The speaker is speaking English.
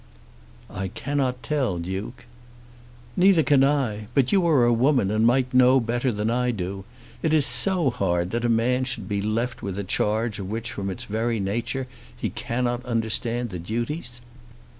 "I cannot tell, Duke." "Neither can I. But you are a woman and might know better than I do. It is so hard that a man should be left with a charge of which from its very nature he cannot understand the duties."